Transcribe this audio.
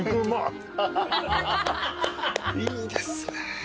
いいですね。